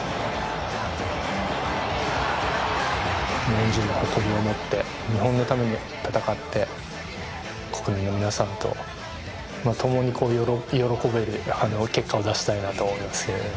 日本人の誇りを持って日本のために戦って国民の皆さんと共に喜べる結果を出したいなと思いますけれどもね。